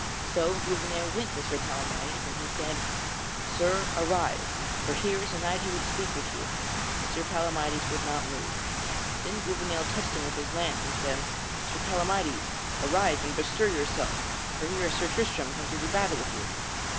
So Gouvernail went to Sir Palamydes and he said: "Sir, arise, for here is a knight would speak with you!" But Sir Palamydes would not move. Then Gouvernail touched him with his lance, and said: "Sir Palamydes, arise and bestir yourself, for here is Sir Tristram come to do battle with you."